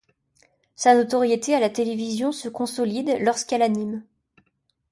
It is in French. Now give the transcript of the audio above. Sa notoriété à la télévision se consolide lorsqu'elle anime '.